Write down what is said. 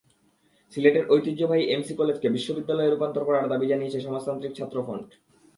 সিলেটের ঐতিহ্যবাহী এমসি কলেজকে বিশ্ববিদ্যালয়ে রূপান্তর করার দাবি জানিয়েছে সমাজতান্ত্রিক ছাত্র ফ্রন্ট।